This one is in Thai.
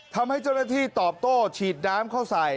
ทำให้เจ้าหน้าที่ตอบโต้ฉีดน้ำเข้าใส่